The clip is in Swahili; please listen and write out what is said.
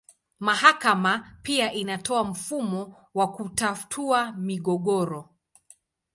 Mahakama pia inatoa mfumo wa kutatua migogoro.